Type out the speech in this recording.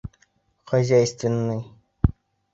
Хозяйственный!